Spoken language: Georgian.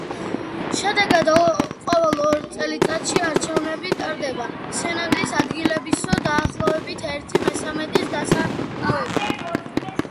შედეგად ყოველ ორ წელწადში არჩევნები ტარდება სენატის ადგილების დაახლოებით ერთი მესამედის დასაკავებლად.